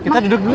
kita duduk dulu